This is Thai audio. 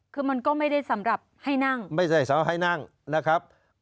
คือมันก็ไม่ได้สำหรับให้นั่งไม่ใช่สำหรับให้นั่งนะครับ